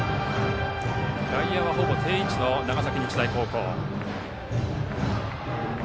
外野はほぼ定位置の長崎日大高校。